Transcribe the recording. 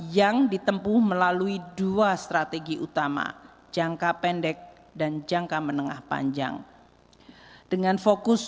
yang ditempuh melalui dua strategi utama jangka pendek dan jangka menengah panjang dengan fokus